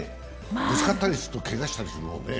ぶつかったりするとけがするもんね。